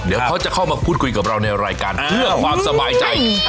เดี๋ยวเขาจะเข้ามาพูดคุยกับเราในรายการเพื่อความสบายใจ